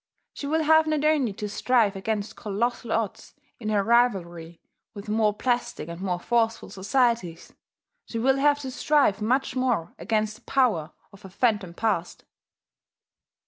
She will have not only to strive against colossal odds in her rivalry with more plastic and more forceful societies; she will have to strive much more against the power of her phantom past.